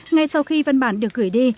ngay sau khi văn bản được gửi đi